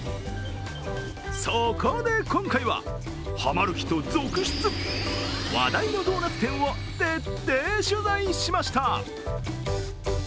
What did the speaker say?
そこで、今回はハマる人続出、話題のドーナツ店を徹底取材しました。